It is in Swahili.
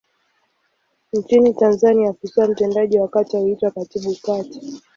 Nchini Tanzania afisa mtendaji wa kata huitwa Katibu Kata.